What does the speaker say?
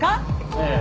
ええ。